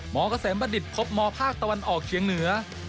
เกษมบัณฑิตพบมภาคตะวันออกเฉียงเหนือ